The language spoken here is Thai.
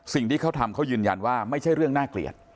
สิ่งที่เขาทำเขายืนยันว่าไม่ใช่เรื่องน่าเกลียด